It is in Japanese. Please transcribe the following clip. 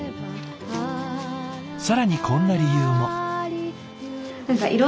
更にこんな理由も。